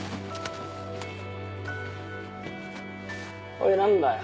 おい何だよ。